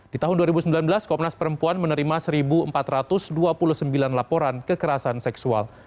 di tahun dua ribu sembilan belas komnas perempuan menerima satu empat ratus dua puluh sembilan laporan kekerasan seksual